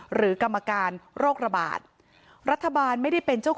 หรือกรรมการโรคระบาด